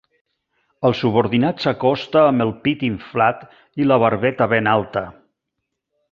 El subordinat s'acosta amb el pit inflat i la barbeta ben alta.